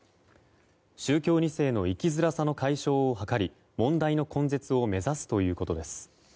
宗教２世の生きづらさの解消を図り問題の根絶を目指すということです。